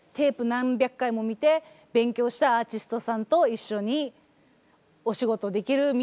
何百回も見て勉強したアーティストさんと一緒にお仕事できるみたいな。